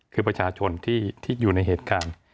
คือประชาชนที่อยู่ในเหตุการณ์